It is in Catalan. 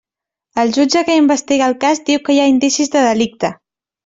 El jutge que investiga el cas diu que hi ha indicis de delicte.